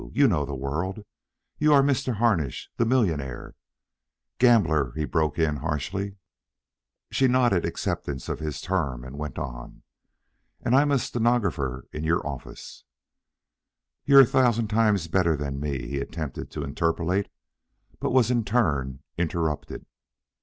You know the world. You are Mr. Harnish, the millionaire " "Gambler," he broke in harshly She nodded acceptance of his term and went on. "And I'm a stenographer in your office " "You're a thousand times better than me " he attempted to interpolate, but was in turn interrupted.